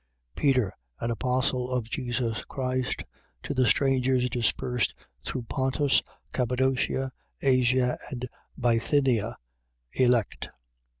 1:1. Peter, an apostle of Jesus Christ, to the strangers dispersed through Pontus, Cappadocia, Asia and Bithynia, elect, 1:2.